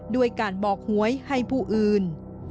ด้วยการบอกหวยให้ผู้อื่น